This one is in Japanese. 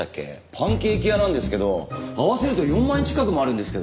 パンケーキ屋なんですけど合わせると４万円近くもあるんですけど。